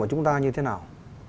ở chúng ta như thế nào